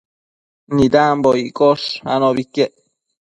Nidambo icash anobi iquec